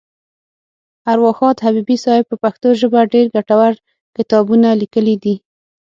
اروا ښاد حبیبي صاحب په پښتو ژبه ډېر ګټور کتابونه لیکلي دي.